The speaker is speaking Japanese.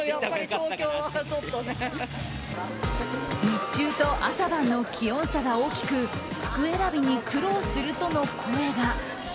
日中と朝晩の気温差が大きく服選びに苦労するとの声が。